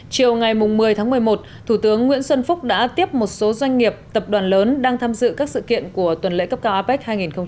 chiều ngày một mươi tháng một mươi một thủ tướng nguyễn xuân phúc đã tiếp một số doanh nghiệp tập đoàn lớn đang tham dự các sự kiện của tuần lễ cấp cao apec hai nghìn hai mươi